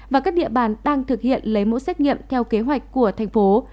và các địa bàn đang thực hiện lấy mẫu xét nghiệm theo kế hoạch của thành phố